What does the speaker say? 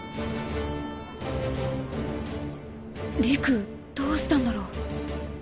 理玖どうしたんだろう！？